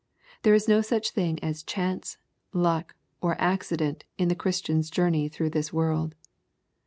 There is no such thing as *^ chance," " luck," or " accident" in the Christian's jour ney through this world.